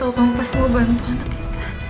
aku tolong pas mau bantu anak kita